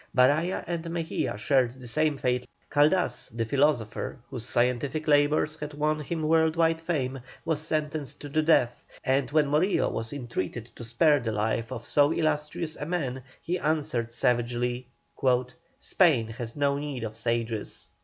Baraya and Mejia shared the same fate. Caldas, the philosopher, whose scientific labours had won him world wide fame, was sentenced to death, and when Morillo was entreated to spare the life of so illustrious a man, he answered savagely: "Spain has no need of sages."